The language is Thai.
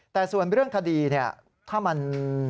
แต่ส่วนเรื่องคดีเนี่ยถ้ามัน